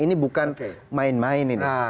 ini bukan main main ini